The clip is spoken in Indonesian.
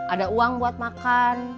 ada uang buat makan